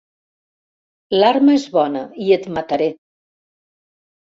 L'arma és bona, i et mataré.